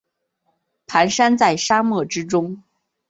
蹒跚在沙漠之中